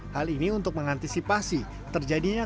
hal ini untuk mengantisipasi terjadinya keadaan